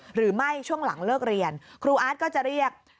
หรือไม่ช่วงหลังเลิกเรียนครูอาร์ตก็จะเรียก